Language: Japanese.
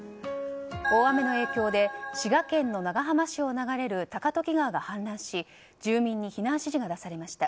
大雨の影響で滋賀県の長浜市を流れる高時川が氾濫し住民に避難指示が出されました。